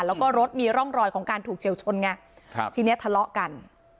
แล้วก็รถมีร่องรอยของการถูกเฉียวชนไงครับทีนี้ทะเลาะกัน